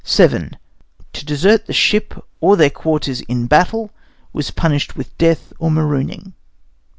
VII To desert the ship or their quarters in battle, was punished with death or marooning.